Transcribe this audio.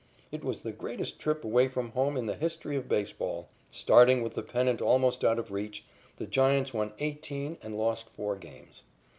It was the greatest trip away from home in the history of baseball. Starting with the pennant almost out of reach, the Giants won eighteen and lost four games.